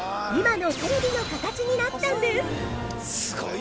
今のテレビの形になったんです！